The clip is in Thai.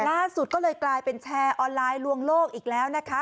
ล่าสุดก็เลยกลายเป็นแชร์ออนไลน์ลวงโลกอีกแล้วนะคะ